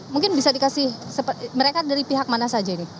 mungkin bisa dikasih mereka dari pihak mana saja ini